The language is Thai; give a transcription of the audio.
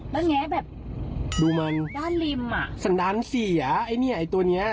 แล้วแงะแบบด้านริมอ่ะดูมันสันดานสี่อ่ะไอ้นี่ไอ้ตัวนี้